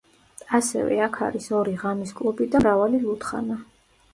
ასევე, აქ არის ორი ღამის კლუბი და მრავალი ლუდხანა.